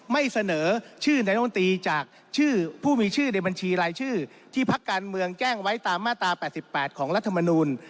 ไม่เสนอชื่อนายมนตรีจากชื่อผู้มีชื่อในบัญชีรายชื่อที่พักการเมืองแจ้งไว้ตามมาตรา๘๘ของรัฐมนูล